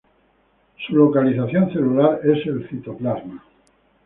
Su localización celular es el citoplasma.